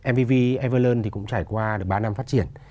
mvv everlearn thì cũng trải qua ba năm phát triển